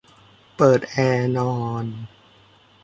เปิดแอร์นอน